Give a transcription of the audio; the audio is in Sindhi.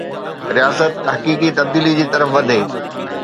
رياست حقيقي تبديليءَ جي طرف وڌي